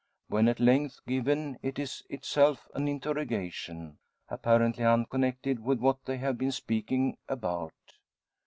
When at length given it is itself an interrogation, apparently unconnected with what they have been speaking about.